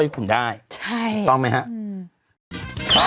กล้วยทอด๒๐๓๐บาท